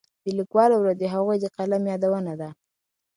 د لیکوالو ورځ د هغوی د قلم یادونه ده.